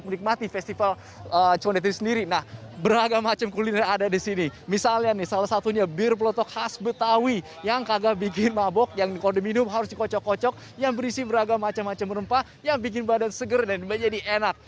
kalau diminum harus dikocok kocok yang berisi beragam macam macam rempah yang bikin badan seger dan menjadi enak